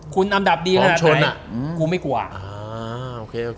คุณอำดับดีขนาดไหนกูไม่กลัว